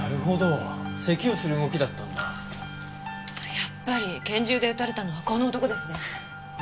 やっぱり拳銃で撃たれたのはこの男ですね。